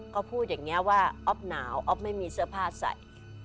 ก็พูดอย่างนี้ว่าอ๊อฟหนาวอ๊อฟไม่มีเสื้อผ้าใส่